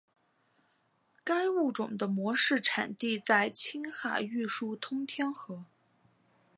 该物种的模式产地在青海玉树通天河。